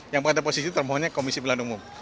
yang berada di posisi itu termohonnya komisi pelan umum